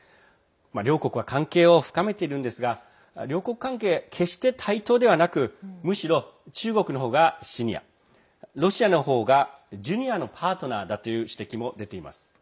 両国は関係を深めているんですが両国関係、決して対等ではなくむしろ、中国の方がシニアロシアの方がジュニアのパートナーだという指摘も出ています。